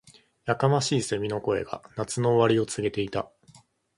•やかましい蝉の声が、夏の終わりを告げていた。